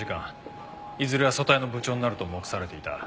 いずれは組対の部長になると目されていた。